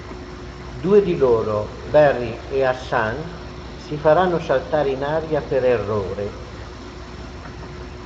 Due di loro, Barry e Hassan, si faranno saltare in aria per errore.